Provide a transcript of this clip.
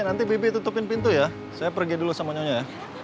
nanti bibi tutupin pintu ya saya pergi dulu sama nyonya ya